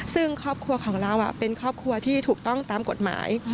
ซึ่งครอบครัวของเราเป็นครอบครัวที่ถูกต้องตามกฎหมาย